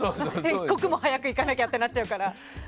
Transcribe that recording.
一刻も早くいかなきゃってなっちゃうから。